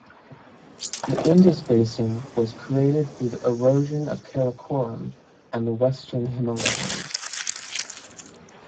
The Indus Basin was created through the erosion of Karakoram and the Western Himalayas.